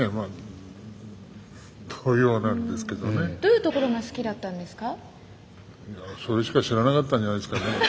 どういうところが好きだったんですか？